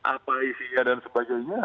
apa isinya dan sebagainya